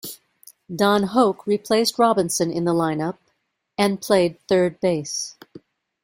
Don Hoak replaced Robinson in the line-up, and played third base.